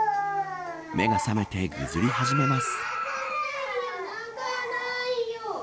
目が覚めて、ぐずり始めます。